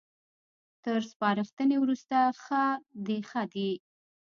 تر سپارښتنې وروسته ښه ديښه دي